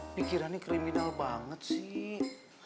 pikirannya kriminal banget sih